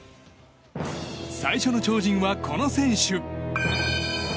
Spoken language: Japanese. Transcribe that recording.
最初の超人はこの選手。